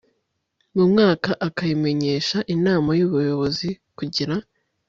mu mwaka akayimenyesha inama y ubuyobozi kugira